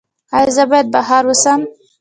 ایا زه باید بهر اوسم؟